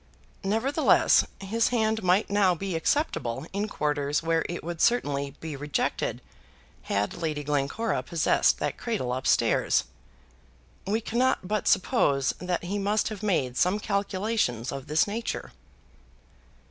Nevertheless his hand might now be acceptable in quarters where it would certainly be rejected had Lady Glencora possessed that cradle up stairs. We cannot but suppose that he must have made some calculations of this nature.